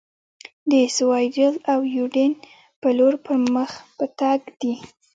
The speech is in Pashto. د سیوایډل او یوډین په لور پر مخ په تګ دي.